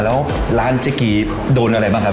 แล้วร้านเจ๊กีโดนอะไรบ้างครับ